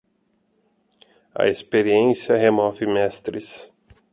A experiência remove mestres.